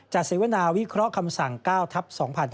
เสวนาวิเคราะห์คำสั่ง๙ทัพ๒๕๕๙